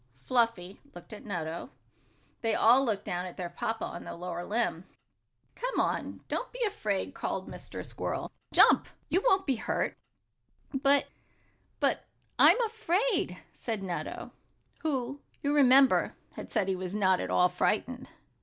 Fluffy looked at Nutto. Then they all looked down at their papa on the lower limb. "Come on! Don't be afraid!" called Mr. Squirrel. "Jump! You won't be hurt!" "But but I'm afraid," said Nutto, who, you remember, had said he was not at all frightened.